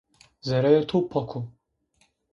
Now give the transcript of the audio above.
Zereyê to pak o